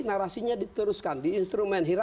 narasinya diteruskan di instrumen hirar